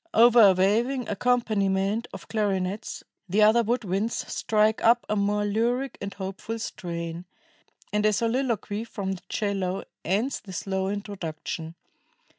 Over a waving accompaniment of clarinets, the other wood winds strike up a more lyric and hopeful strain, and a soliloquy from the 'cello ends the slow introduction.